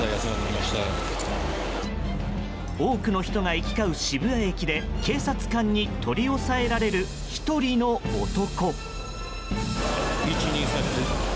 多くの人が行き交う渋谷駅で警察官に取り押さえられる１人の男。